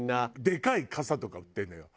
でかい傘とか売ってるのよ。